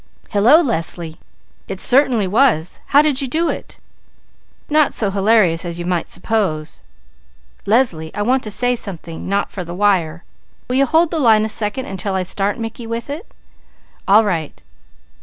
"Hello, Leslie! It certainly was! How did you do it? Not so hilarious as you might suppose. Leslie, I want to say something, not for the wire. Will you hold the line a second until I start Mickey with it? All right!